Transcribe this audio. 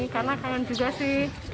karena kangen juga sih